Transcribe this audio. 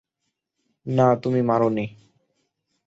না, তুমি মারোনি।